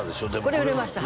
これ売れました